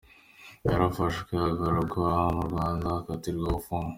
Yarafashwe, agarurwa mu Rwanda akatirwa gufungwa.